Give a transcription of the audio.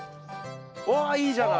わいいじゃない。